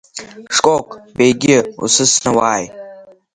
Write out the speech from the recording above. Шкок Беигьы усыцны уааи!